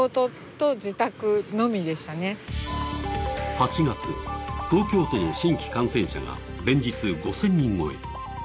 ８月、東京都の新規感染者が連日５０００人超え。